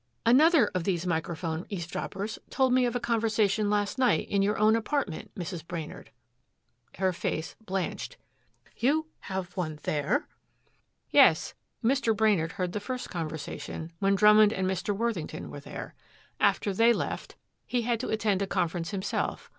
"Another of these microphone eavesdroppers told me of a conversation last night in your own apartment, Mrs. Brainard." Her face blanched. "You have one there?" "Yes. Mr. Brainard heard the first conversation, when Drummond and Mr. Worthington were there. After they left he had to attend a conference himself.